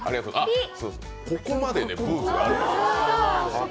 ここまでブーツがあるんです。